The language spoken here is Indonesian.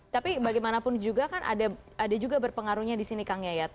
tapi bagaimanapun juga kan ada juga berpengaruhnya di sini kang yayat